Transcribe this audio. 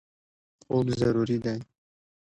خوب ضروري دی.